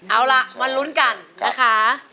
เอาล่ะมาลุ้นกันนะคะ